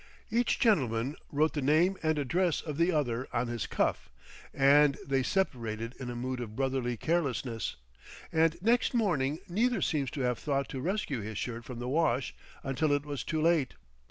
Each gentleman wrote the name and address of the other on his cuff, and they separated in a mood of brotherly carelessness, and next morning neither seems to have thought to rescue his shirt from the wash until it was too late.